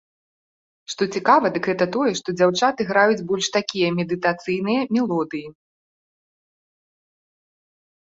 Што цікава, дык гэта тое, што дзяўчаты граюць больш такія медытацыйныя мелодыі.